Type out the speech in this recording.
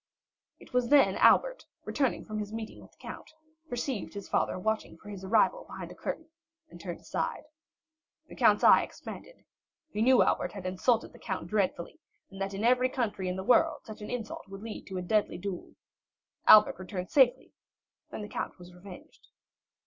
It was then Albert, returning from his meeting with the count, perceived his father watching for his arrival behind a curtain, and turned aside. The count's eye expanded; he knew Albert had insulted the count dreadfully, and that in every country in the world such an insult would lead to a deadly duel. Albert returned safely—then the count was revenged.